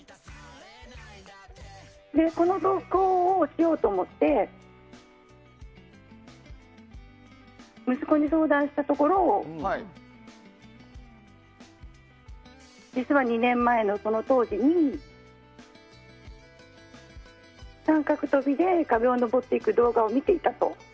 この投稿をしようと思って息子に相談したところ実は２年前のその当時に三角飛びで壁を登っていく動画を見ていたと。